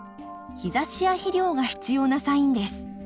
日ざしや肥料が必要なサインです。